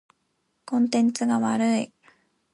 コンテンツが悪い。